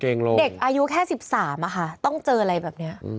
เด็กอายุแค่๑๓อะค่ะต้องเจออะไรแบบนี้